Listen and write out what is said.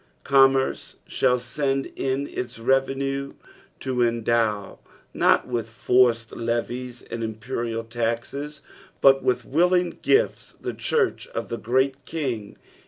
Commerce shall send in its revenue to endow, not with forced levies and imporinl luxes, but with willing gifts the church of the Great King.